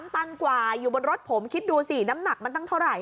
ตันกว่าอยู่บนรถผมคิดดูสิน้ำหนักมันตั้งเท่าไหร่